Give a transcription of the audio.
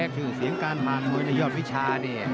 ชื่อเสียงการมามวยในยอดวิชานี่